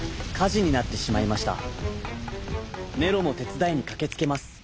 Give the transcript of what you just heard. ネロもてつだいにかけつけます。